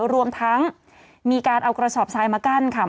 รวมทั้งมีการเอากระสอบทรายมากั้นค่ะ